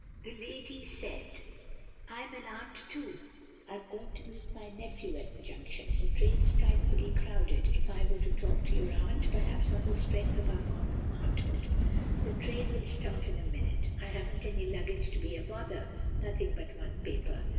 The lady said: "I'm an aunt too—I'm going to meet my nephew at the junction. The train's frightfully crowded.... If I were to talk to your aunt ... perhaps on the strength of our common aunthood. The train will start in a minute. I haven't any luggage to be a bother—nothing but one paper."